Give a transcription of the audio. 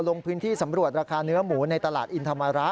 ลงพื้นที่สำรวจราคาเนื้อหมูในตลาดอินธรรมระ